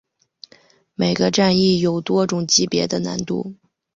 每个战役有多种级别的难度。